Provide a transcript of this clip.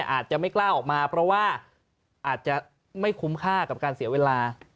อาจจะไม่กล้าออกมาเพราะว่าอาจจะไม่คุ้มค่ากับการเสียเวลา